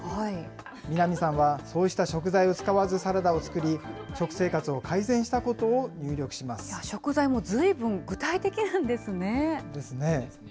南さんはそうした食材を使わずサラダを作り、食生活を改善したこ食材も随分具体的なんですね。ですね。